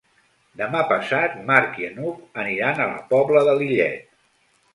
Demà passat en Marc i n'Hug aniran a la Pobla de Lillet.